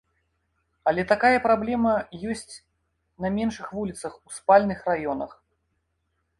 Але такая праблема ёсць на меншых вуліцах у спальных раёнах.